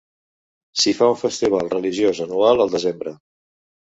S'hi fa un festival religiós anual al desembre.